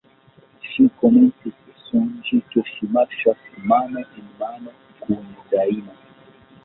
Ŝi komencis sonĝi ke ŝi marŝas mano en mano kun Dajna.